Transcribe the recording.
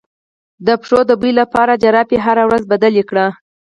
د پښو د بوی لپاره جرابې هره ورځ بدلې کړئ